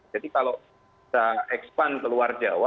jadi kalau kita expand ke luar jawa